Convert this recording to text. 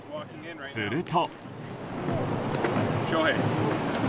すると。